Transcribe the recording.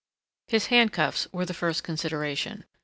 His handcuffs were the first consideration.